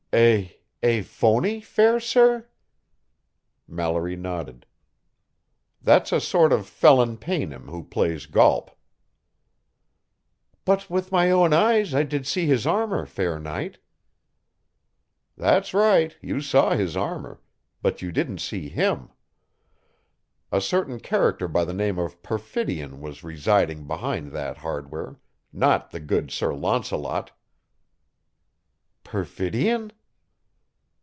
"A ... a phony, fair sir?" Mallory nodded. "That's a sort of felon paynim who plays golp." "But with my own eyes I did see his armor, fair knight." "That's right you saw his armor. But you didn't see him. A certain character by the name of Perfidion was residing behind that hardware not the good Sir Launcelot." "Perfidion?"